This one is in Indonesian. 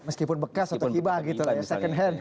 meskipun bekas atau hibah gitu ya second hand